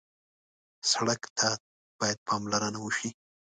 سړک ته باید پاملرنه وشي.